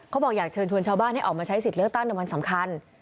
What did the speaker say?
บอกอยากเชิญชวนชาวบ้านให้ออกมาใช้สิทธิ์เลือกตั้งในวันสำคัญ